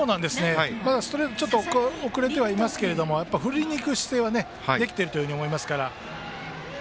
まだストレートちょっと遅れてはいますが振りにいく姿勢はできていると思いますから。